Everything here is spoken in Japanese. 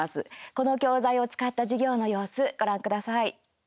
この教材を使った授業の様子ご覧ください。